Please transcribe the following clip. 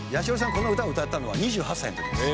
この歌を歌ってたのは２８歳の時です」